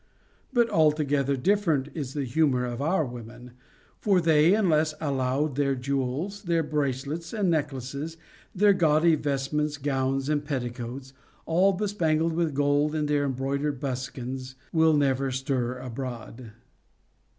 But altogether different is the humor of our women ; for they, unless allowed their jewels, their bracelets, and necklaces, their gaudy vestments, gowns, and petticoats, all bespangled with gold, and their embroidered buskins, will never stir abroad.